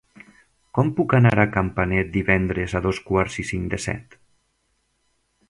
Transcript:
Com puc anar a Campanet divendres a dos quarts i cinc de set?